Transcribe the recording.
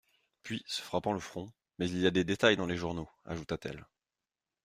Puis, se frappant le front : Mais il y a des détails dans les journaux, ajouta-t-elle.